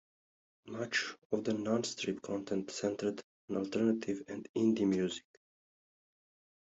Much of the non-strip content centred on alternative and indie music.